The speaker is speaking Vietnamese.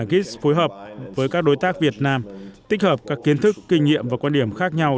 gis phối hợp với các đối tác việt nam tích hợp các kiến thức kinh nghiệm và quan điểm khác nhau